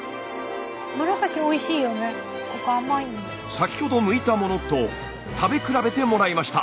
先ほどむいたものと食べ比べてもらいました。